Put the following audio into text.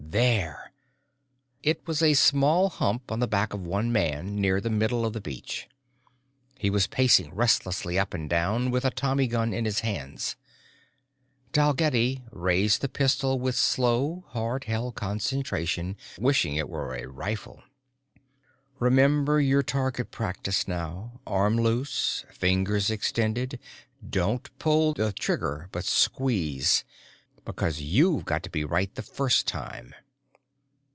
There! It was a small hump on the back of one man, near the middle of the beach. He was pacing restlessly up and down with a tommy gun in his hands. Dalgetty raised the pistol with slow hard held concentration, wishing it were a rifle. _Remember your target practice now, arm loose, fingers extended, don't pull the trigger but squeeze because you've got to be right the first time!